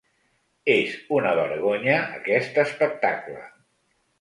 És una vergonya aquest espectacle!